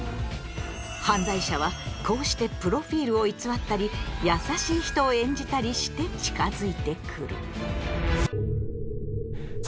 犯罪者はこうしてプロフィールを偽ったり優しい人を演じたりして近づいてくる。